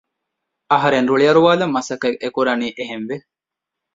އަހަރެން ރުޅި އަރުވާލަން މަސައްކަތް އެކުރަނީ އެހެންވެ